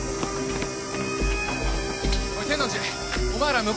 おい天王寺お前ら向こう頼む。